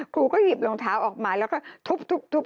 ครูก็หยิบรองเท้าออกมาแล้วก็ทุบ